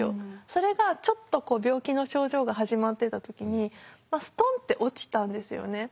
それがちょっと病気の症状が始まってた時にストンって落ちたんですよね。